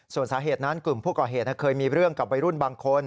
ส่วนสาเหตุนั้นกลุ่มผู้ก่อเหตุเคยมีเรื่องกับวัยรุ่นบางคน